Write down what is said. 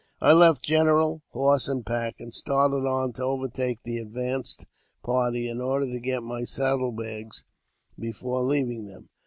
I left general, horse, and pack, and started on to overtake the advanced party, in order to get my sadde bags before leaving them.